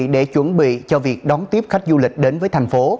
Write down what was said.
để chuẩn bị cho việc đón tiếp khách du lịch đến với thành phố